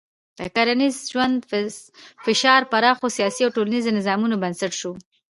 د کرنیز ژوند فشار پراخو سیاسي او ټولنیزو نظامونو بنسټ شو.